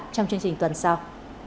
trong chương trình tuần sau